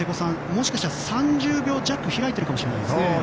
もしかしたら３０秒弱開いてるかもしれないですね。